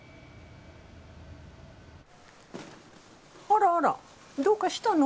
あらあらどうかしたの？